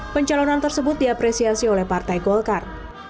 pencalonan tersebut diapresiasi oleh partai golkar